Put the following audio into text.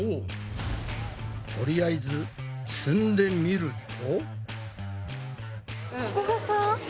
とりあえず積んでみると。